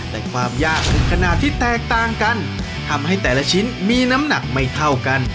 แต่ความยากถึงขนาดที่แตกต่างกันทำให้แต่ละชิ้นมีน้ำหนักไม่เท่ากัน